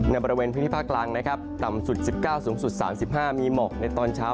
ในบริเวณพื้นที่ภาคกลางนะครับต่ำสุด๑๙สูงสุด๓๕มีหมอกในตอนเช้า